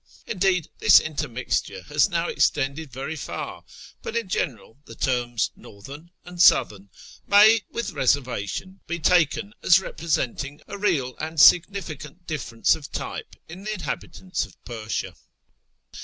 Indeed this intermixture has now extended very far, but in general the terms " northern " and " southern " may, with reservation, be taken as representing a real and significant difference of type in the inhabitants of Persia.